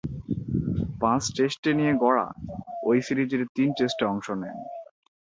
পাঁচ টেস্টে নিয়ে গড়া ঐ সিরিজের তিন টেস্টে অংশ নেন।